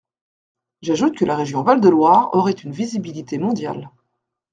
J’ajoute que la région Val-de-Loire aurait une visibilité mondiale.